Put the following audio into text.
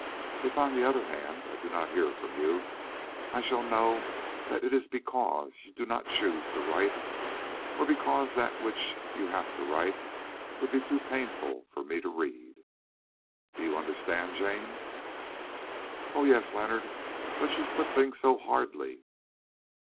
If, on the other hand, I do not hear from you, I shall know that it is because you do not choose to write, or because that which you have to write would be too painful for me to read. Do you understand, Jane?" "Oh! yes, Leonard, but you put things so hardly."